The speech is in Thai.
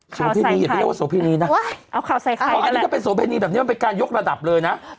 ข่าวใส่ไข่เอาข่าวใส่ไข่ก็แหละอันนี้ก็เป็นโสเพณีแบบนี้มันเป็นการยกระดับเลยนะ